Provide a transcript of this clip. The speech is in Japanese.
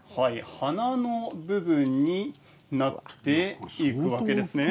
花の部分になっていくわけですね。